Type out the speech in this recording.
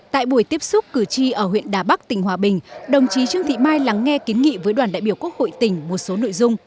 tại buổi tiếp xúc cử tri ở huyện đà bắc tỉnh hòa bình đồng chí trương thị mai lắng nghe kiến nghị với đoàn đại biểu quốc hội tỉnh một số nội dung